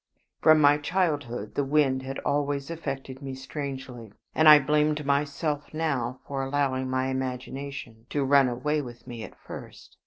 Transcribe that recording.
From my childhood the wind had always affected me strangely, and I blamed myself now for allowing my imagination to run away with me at the first.